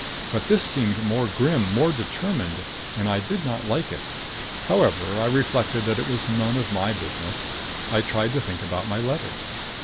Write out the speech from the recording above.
But this seemed more grim, more determined, and I did not like it. However, I reflected that it was none of my business. I tried to think about my letter.